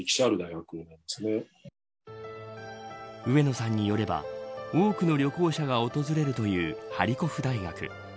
上野さんによれば多くの旅行者が訪れるというハリコフ大学。